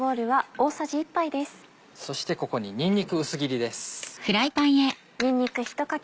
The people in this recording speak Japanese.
そしてここににんにく薄切りです。